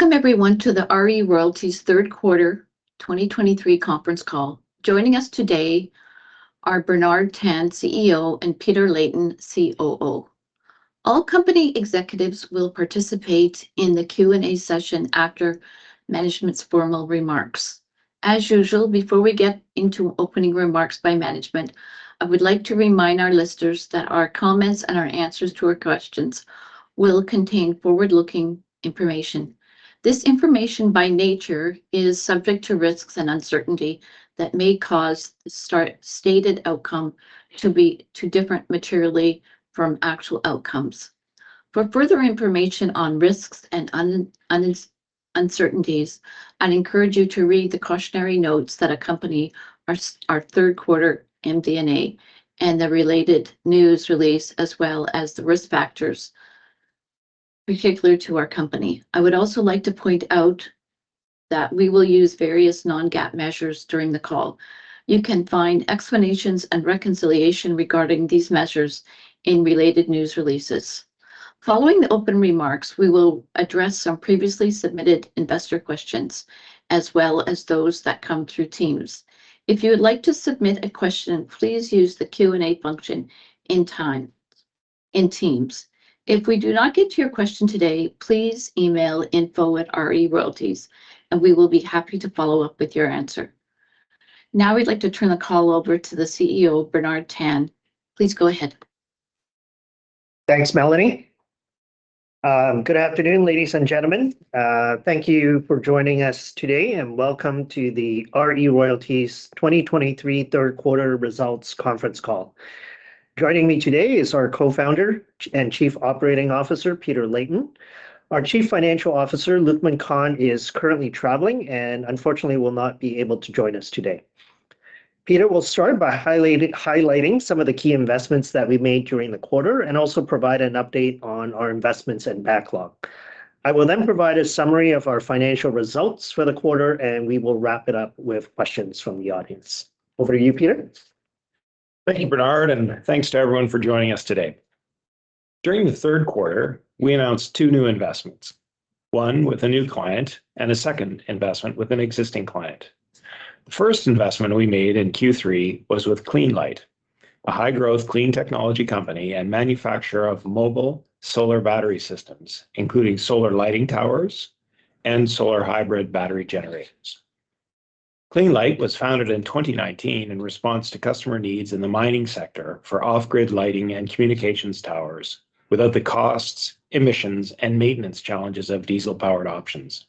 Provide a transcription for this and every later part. Welcome everyone to the RE Royalties third quarter 2023 conference call. Joining us today are Bernard Tan, CEO, and Peter Leighton, COO. All company executives will participate in the Q&A session after management's formal remarks. As usual, before we get into opening remarks by management, I would like to remind our listeners that our comments and our answers to our questions will contain forward-looking information. This information, by nature, is subject to risks and uncertainty that may cause stated outcome to be to different materially from actual outcomes. For further information on risks and uncertainties, I'd encourage you to read the cautionary notes that accompany our third quarter MD&A, and the related news release, as well as the risk factors particular to our company. I would also like to point out that we will use various non-GAAP measures during the call. You can find explanations and reconciliation regarding these measures in related news releases. Following the open remarks, we will address some previously submitted investor questions, as well as those that come through Teams. If you would like to submit a question, please use the Q&A function in time, in Teams. If we do not get to your question today, please email info@reroyalties.com, and we will be happy to follow up with your answer. Now, we'd like to turn the call over to the CEO, Bernard Tan. Please go ahead. Thanks, Melanee. Good afternoon, ladies and gentlemen. Thank you for joining us today, and welcome to the RE Royalties 2023 third quarter results conference call. Joining me today is our Co-founder and Chief Operating Officer, Peter Leighton. Our Chief Financial Officer, Luqman Khan, is currently traveling and unfortunately will not be able to join us today. Peter will start by highlighting some of the key investments that we made during the quarter and also provide an update on our investments and backlog. I will then provide a summary of our financial results for the quarter, and we will wrap it up with questions from the audience. Over to you, Peter. Thank you, Bernard, and thanks to everyone for joining us today. During the third quarter, we announced two new investments: one with a new client and a second investment with an existing client. The first investment we made in Q3 was with CleanLight, a high-growth clean technology company and manufacturer of mobile solar battery systems, including solar lighting towers and solar hybrid battery generators. CleanLight was founded in 2019 in response to customer needs in the mining sector for off-grid lighting and communications towers, without the costs, emissions, and maintenance challenges of diesel-powered options.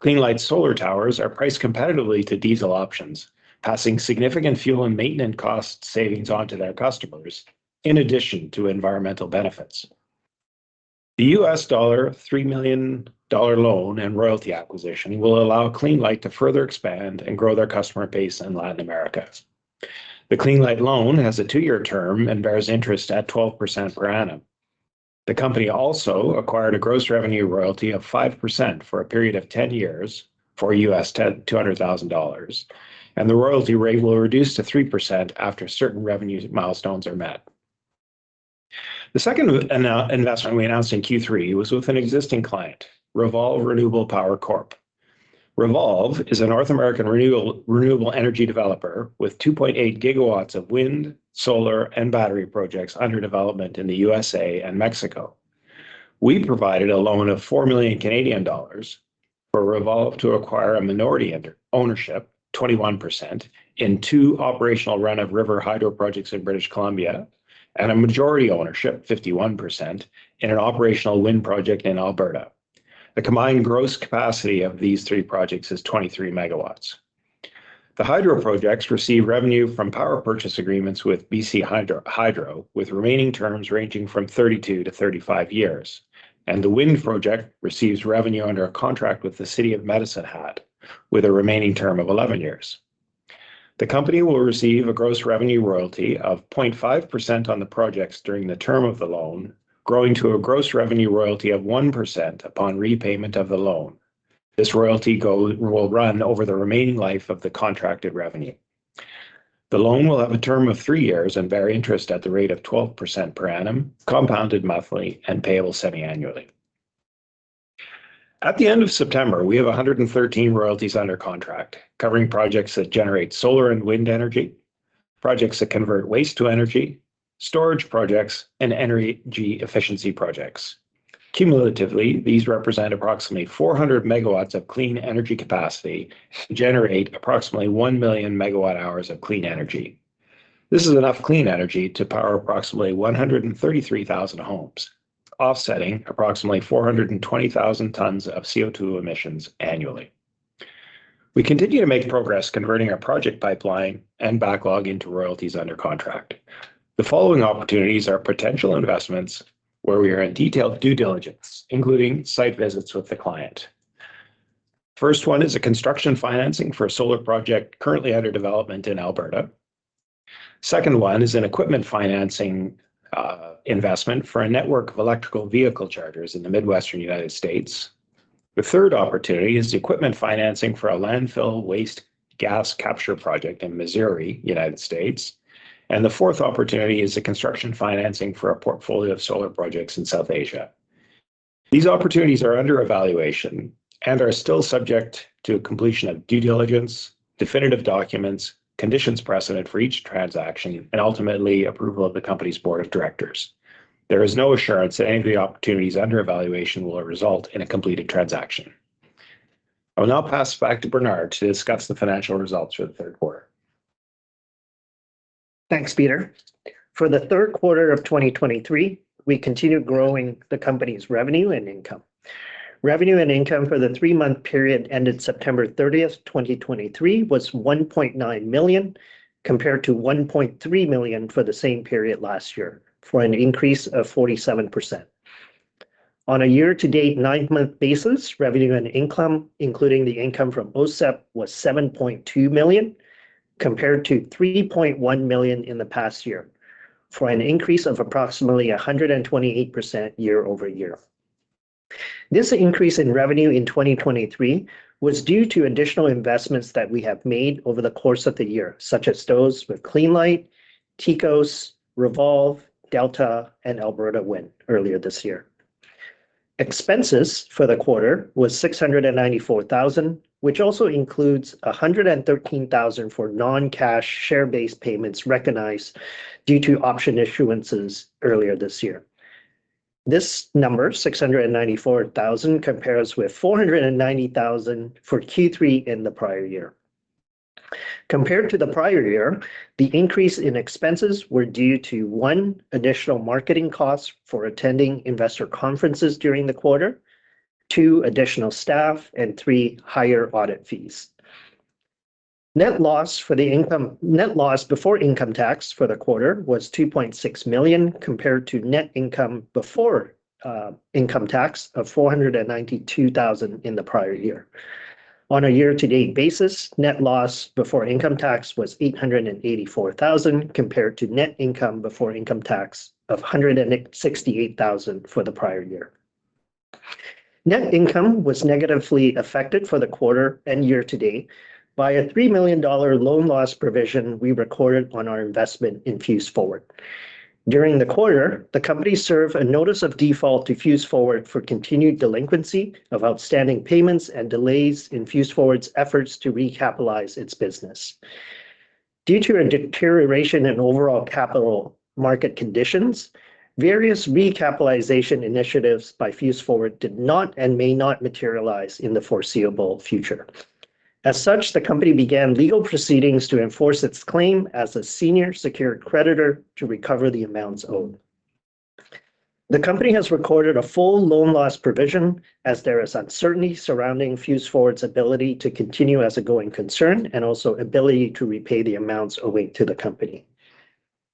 CleanLight solar towers are priced competitively to diesel options, passing significant fuel and maintenance cost savings on to their customers, in addition to environmental benefits. The U.S. dollar $3 million loan and royalty acquisition will allow CleanLight to further expand and grow their customer base in Latin America. The CleanLight loan has a two-year term and bears interest at 12% per annum. The company also acquired a gross revenue royalty of 5% for a period of 10 years for U.S. $200,000, and the royalty rate will reduce to 3% after certain revenue milestones are met. The second investment we announced in Q3 was with an existing client, ReVolve Renewable Power Corp. ReVolve is a North American renewable energy developer with 2.8 GW of wind, solar, and battery projects under development in the USA and Mexico. We provided a loan of 4 million Canadian dollars for ReVolve to acquire a minority ownership, 21%, in two operational run-of-river hydro projects in British Columbia, and a majority ownership, 51%, in an operational wind project in Alberta. The combined gross capacity of these three projects is 23 MW. The hydro projects receive revenue from power purchase agreements with BC Hydro, Hydro, with remaining terms ranging from 32-35 years, and the wind project receives revenue under a contract with the city of Medicine Hat, with a remaining term of 11 years. The company will receive a gross revenue royalty of 0.5% on the projects during the term of the loan, growing to a gross revenue royalty of 1% upon repayment of the loan. This royalty will run over the remaining life of the contracted revenue. The loan will have a term of 3 years and bear interest at the rate of 12% per annum, compounded monthly and payable semi-annually. At the end of September, we have 113 royalties under contract, covering projects that generate solar and wind energy, projects that convert waste to energy, storage projects, and energy efficiency projects. Cumulatively, these represent approximately 400 MW of clean energy capacity, generate approximately 1 million MWh of clean energy. This is enough clean energy to power approximately 133,000 homes, offsetting approximately 420,000 tons of CO2 emissions annually. We continue to make progress converting our project pipeline and backlog into royalties under contract. The following opportunities are potential investments where we are in detailed due diligence, including site visits with the client. First one is a construction financing for a solar project currently under development in Alberta. Second one is an equipment financing, investment for a network of electric vehicle chargers in the Midwestern United States. The third opportunity is equipment financing for a landfill gas capture project in Missouri, United States. And the fourth opportunity is the construction financing for a portfolio of solar projects in South Asia. These opportunities are under evaluation and are still subject to completion of due diligence, definitive documents, conditions precedent for each transaction, and ultimately, approval of the company's board of directors. There is no assurance that any of the opportunities under evaluation will result in a completed transaction. I will now pass it back to Bernard to discuss the financial results for the third quarter. Thanks, Peter. For the third quarter of 2023, we continued growing the company's revenue and income. Revenue and income for the three-month period ended September 30th, 2023, was 1.9 million, compared to 1.3 million for the same period last year, for an increase of 47%. On a year-to-date, nine-month basis, revenue and income, including the income from OCEP, was 7.2 million, compared to 3.1 million in the past year, for an increase of approximately 128% year-over-year. This increase in revenue in 2023 was due to additional investments that we have made over the course of the year, such as those with CleanLight, Ticos, ReVolve, Delta, and Alberta Wind earlier this year. Expenses for the quarter was 694,000, which also includes 113,000 for non-cash, share-based payments recognized due to option issuances earlier this year. This number, 694,000, compares with 490,000 for Q3 in the prior year. Compared to the prior year, the increase in expenses were due to, one, additional marketing costs for attending investor conferences during the quarter, two, additional staff, and three, higher audit fees. Net loss before income tax for the quarter was 2.6 million, compared to net income before income tax of 492,000 in the prior year. On a year-to-date basis, net loss before income tax was 884,000, compared to net income before income tax of 168,000 for the prior year. Net income was negatively affected for the quarter and year to date by a 3 million dollar loan loss provision we recorded on our investment in FuseForward. During the quarter, the company served a notice of default to FuseForward for continued delinquency of outstanding payments and delays in FuseForward's efforts to recapitalize its business. Due to a deterioration in overall capital market conditions, various recapitalization initiatives by FuseForward did not and may not materialize in the foreseeable future. As such, the company began legal proceedings to enforce its claim as a senior secured creditor to recover the amounts owed. The company has recorded a full loan loss provision, as there is uncertainty surrounding FuseForward's ability to continue as a going concern, and also ability to repay the amounts owing to the company.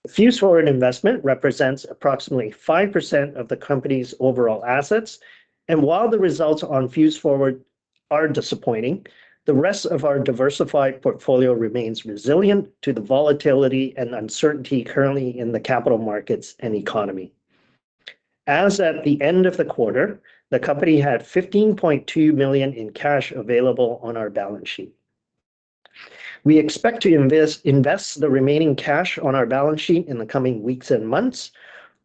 FuseForward investment represents approximately 5% of the company's overall assets, and while the results on FuseForward are disappointing, the rest of our diversified portfolio remains resilient to the volatility and uncertainty currently in the capital markets and economy. As at the end of the quarter, the company had 15.2 million in cash available on our balance sheet. We expect to invest the remaining cash on our balance sheet in the coming weeks and months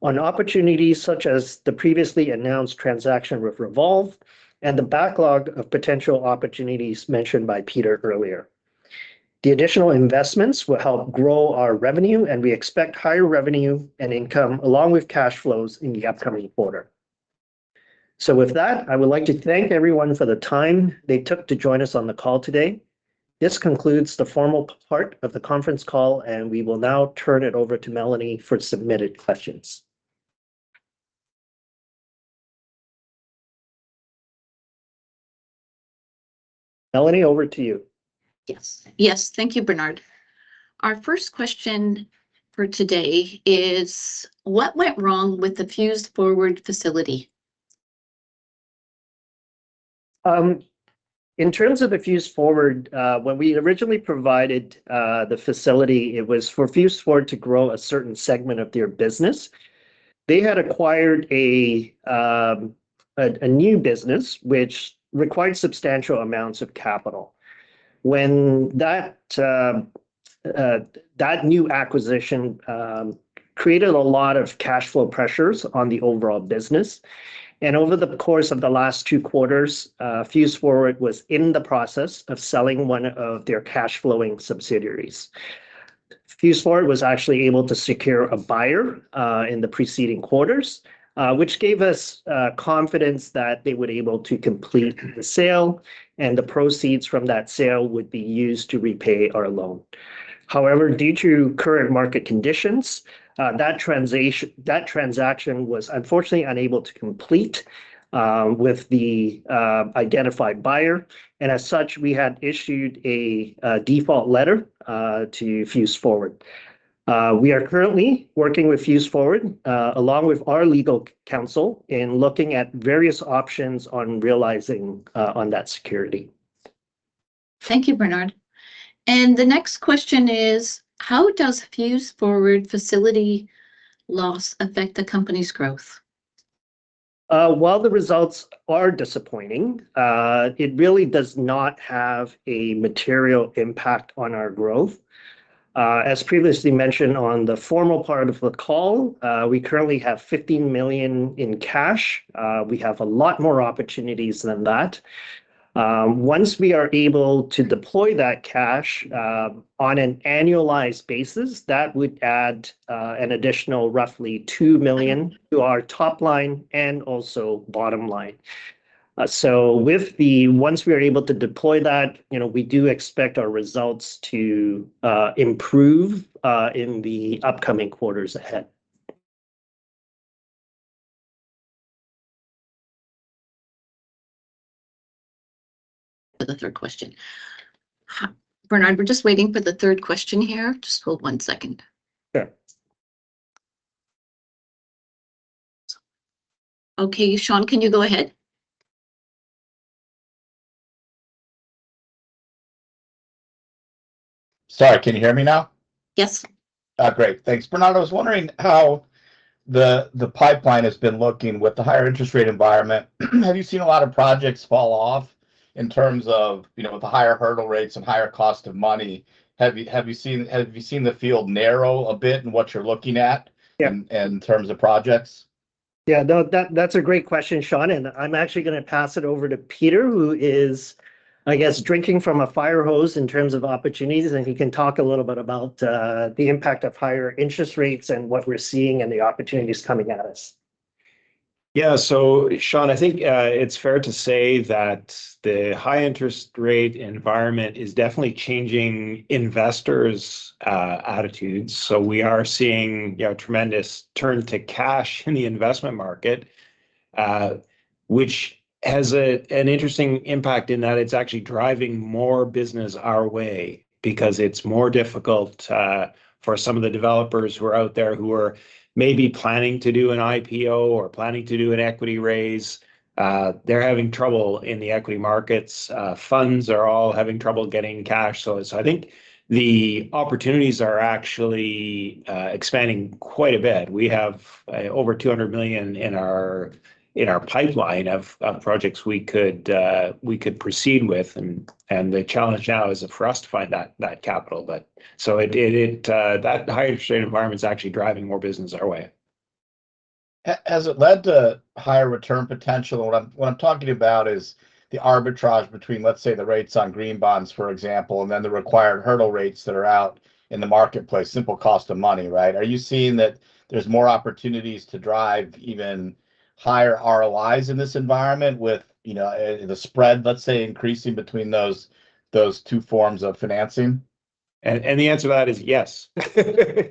on opportunities such as the previously announced transaction with ReVolve and the backlog of potential opportunities mentioned by Peter earlier. The additional investments will help grow our revenue, and we expect higher revenue and income, along with cash flows, in the upcoming quarter. So with that, I would like to thank everyone for the time they took to join us on the call today. This concludes the formal part of the conference call, and we will now turn it over to Melanee for submitted questions. Melanee, over to you. Yes. Yes, thank you, Bernard. Our first question for today is, what went wrong with the FuseForward facility? In terms of the FuseForward, when we originally provided the facility, it was for FuseForward to grow a certain segment of their business. They had acquired a new business, which required substantial amounts of capital. When that new acquisition created a lot of cash flow pressures on the overall business, and over the course of the last two quarters, FuseForward was in the process of selling one of their cash-flowing subsidiaries. FuseForward was actually able to secure a buyer in the preceding quarters, which gave us confidence that they would able to complete the sale, and the proceeds from that sale would be used to repay our loan. However, due to current market conditions, that transaction was unfortunately unable to complete with the identified buyer, and as such, we had issued a default letter to FuseForward. We are currently working with FuseForward along with our legal counsel in looking at various options on realizing on that security. Thank you, Bernard. The next question is: How does FuseForward facility loss affect the company's growth?... While the results are disappointing, it really does not have a material impact on our growth. As previously mentioned on the formal part of the call, we currently have 15 million in cash. We have a lot more opportunities than that. Once we are able to deploy that cash, on an annualized basis, that would add an additional roughly 2 million to our top line and also bottom line. So once we are able to deploy that, you know, we do expect our results to improve in the upcoming quarters ahead. For the third question. Bernard, we're just waiting for the third question here. Just hold one second. Sure. Okay, Shane, can you go ahead? Sorry, can you hear me now? Yes. Great. Thanks. Bernard, I was wondering how the pipeline has been looking with the higher interest rate environment. Have you seen a lot of projects fall off in terms of, you know, the higher hurdle rates and higher cost of money? Have you seen the field narrow a bit in what you're looking at? Yeah... in terms of projects? Yeah, no, that, that's a great question, Shane, and I'm actually gonna pass it over to Peter, who is, I guess, drinking from a fire hose in terms of opportunities. And he can talk a little bit about the impact of higher interest rates and what we're seeing and the opportunities coming at us. Yeah. So, Shane, I think it's fair to say that the high interest rate environment is definitely changing investors' attitudes. So we are seeing, yeah, tremendous turn to cash in the investment market, which has an interesting impact, in that it's actually driving more business our way because it's more difficult for some of the developers who are out there, who are maybe planning to do an IPO or planning to do an equity raise. They're having trouble in the equity markets. Funds are all having trouble getting cash. So, so I think the opportunities are actually expanding quite a bit. We have over 200 million in our pipeline of projects we could proceed with. And the challenge now is for us to find that capital. But... That higher interest rate environment is actually driving more business our way. Has it led to higher return potential? What I'm, what I'm talking about is the arbitrage between, let's say, the rates on green bonds, for example, and then the required hurdle rates that are out in the marketplace. Simple cost of money, right? Are you seeing that there's more opportunities to drive even higher ROIs in this environment with, you know, the spread, let's say, increasing between those, those two forms of financing? And the answer to that is yes.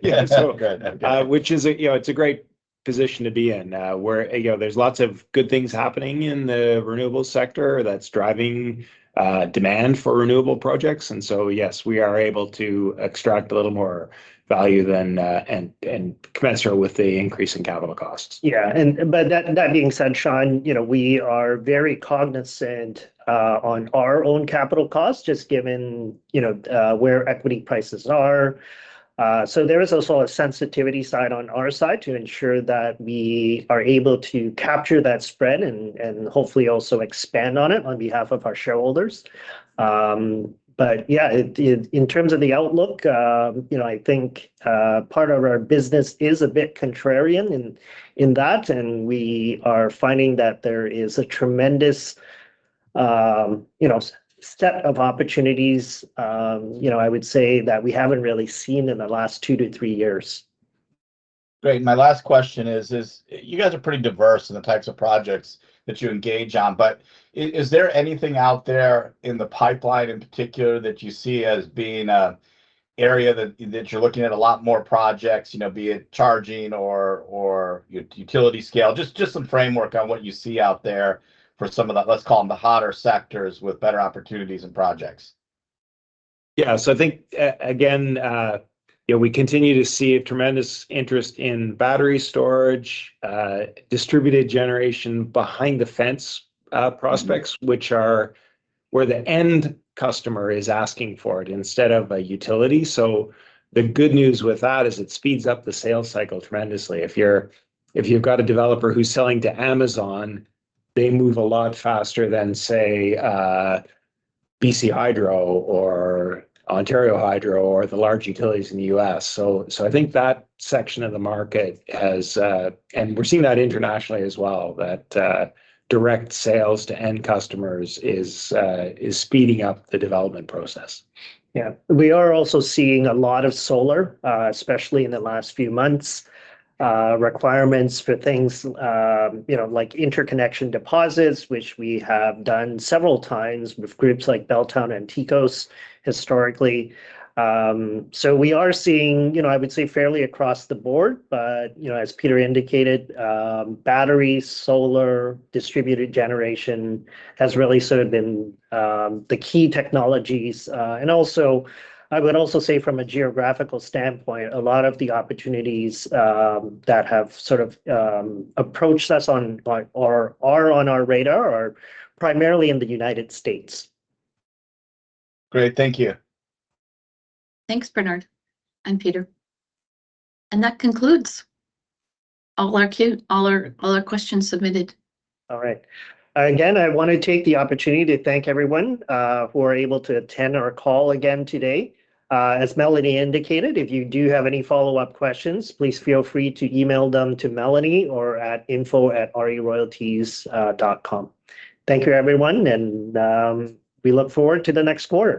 Yeah, so- Good. Good... which is a, you know, it's a great position to be in, where, you know, there's lots of good things happening in the renewable sector that's driving, demand for renewable projects. And so, yes, we are able to extract a little more value than... and, and commensurate with the increase in capital costs. Yeah. But that being said, Shane, you know, we are very cognizant on our own capital costs, just given, you know, where equity prices are. So there is also a sensitivity side on our side to ensure that we are able to capture that spread and hopefully also expand on it on behalf of our shareholders. But yeah, it in terms of the outlook, you know, I think part of our business is a bit contrarian in that, and we are finding that there is a tremendous you know, set of opportunities, you know, I would say, that we haven't really seen in the last two to three years. Great. My last question is, you guys are pretty diverse in the types of projects that you engage on, but is there anything out there in the pipeline in particular that you see as being an area that you're looking at a lot more projects, you know, be it charging or utility scale? Just some framework on what you see out there for some of the, let's call them, the hotter sectors with better opportunities and projects. Yeah. So I think, again, you know, we continue to see a tremendous interest in battery storage, distributed generation behind the fence, prospects- Mm-hmm... which are where the end customer is asking for it, instead of a utility. So the good news with that is it speeds up the sales cycle tremendously. If you've got a developer who's selling to Amazon, they move a lot faster than, say, BC Hydro or Ontario Hydro or the large utilities in the U.S. So I think that section of the market has... And we're seeing that internationally as well, that direct sales to end customers is speeding up the development process. Yeah. We are also seeing a lot of solar, especially in the last few months. Requirements for things, you know, like interconnection deposits, which we have done several times with groups like Belltown and Ticos historically. So we are seeing, you know, I would say, fairly across the board. But, you know, as Peter indicated, battery, solar, distributed generation has really sort of been the key technologies. And also, I would also say from a geographical standpoint, a lot of the opportunities that have sort of approached us are on our radar are primarily in the United States. Great. Thank you. Thanks, Bernard and Peter. That concludes all our questions submitted. All right. Again, I want to take the opportunity to thank everyone who are able to attend our call again today. As Melanee indicated, if you do have any follow-up questions, please feel free to email them to Melanee or at info@reroyalties.com. Thank you, everyone, and we look forward to the next quarter.